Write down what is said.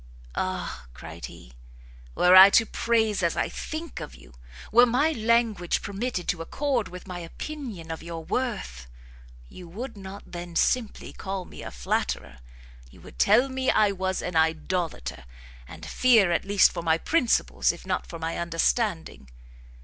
"Ah!" cried he, "were I to praise as I think of you! were my language permitted to accord with my opinion of your worth, you would not then simply call me a flatterer, you would tell me I was an idolater, and fear at least for my principles, if not for my understanding."